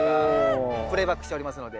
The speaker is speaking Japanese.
プレイバックしておりますので。